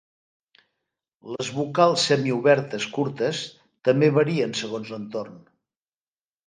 Les vocals semiobertes curtes també varien segons l'entorn.